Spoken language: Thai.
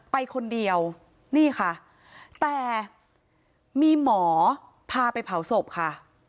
ไปคนเดียวนี่ค่ะแต่มีหมอพาไปเผาศพค่ะ